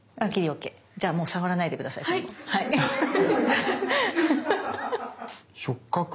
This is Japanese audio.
じゃあもう触らないで下さいそのまま。